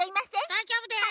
だいじょうぶです！